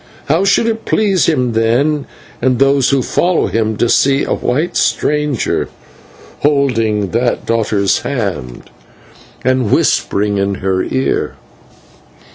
How should it please him then, and those who follow him, to see a white stranger holding that daughter's hand, and whispering in her ear.